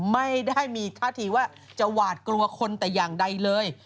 ไม่ได้มีท่าทีว่าจะหวาดกลัวคนแต่อย่างใดเลย